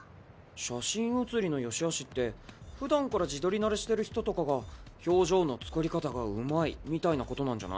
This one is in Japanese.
写真写りの良しあしって普段から自撮り慣れしてる人とかが表情のつくり方がうまいみたいなことなんじゃない？